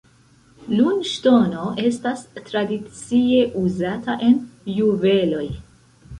Lunŝtono estas tradicie uzata en juveloj.